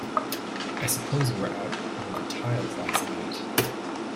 I suppose you were out on the tiles last night?